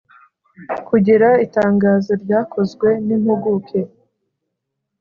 kugira itangazo ryakozwe n impuguke.